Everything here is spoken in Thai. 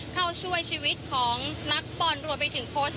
เข้าช่วยชีวิตของนักปอนรัวไปถึงโพสต์